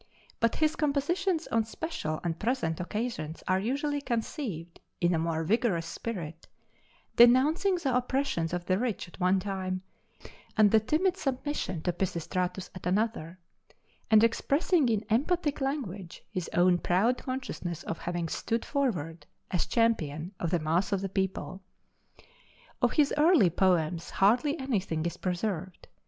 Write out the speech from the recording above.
But his compositions on special and present occasions are usually conceived in a more vigorous spirit; denouncing the oppressions of the rich at one time, and the timid submission to Pisistratus at another and expressing in emphatic language his own proud consciousness of having stood forward as champion of the mass of the people. Of his early poems hardly anything is preserved.